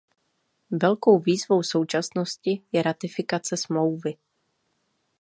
Velkou výzvou současnosti je ratifikace smlouvy.